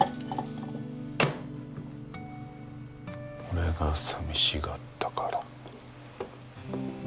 俺が寂しがったから。